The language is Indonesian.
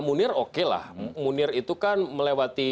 munir okelah munir itu kan melewati